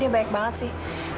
dia baik banget sih